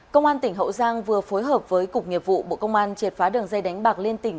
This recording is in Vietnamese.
công an tỉnh hậu giang vừa phối hợp với cục nghiệp vụ bộ công an triệt phá đường dây đánh bạc liên tỉnh